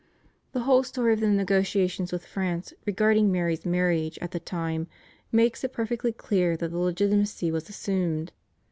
The whole story of the negotiations with France regarding Mary's marriage at the time, makes it perfectly clear that her legitimacy was assumed.